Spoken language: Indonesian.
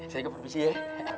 saya ke pc ya